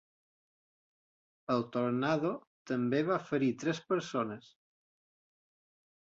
El tornado també va ferir tres persones.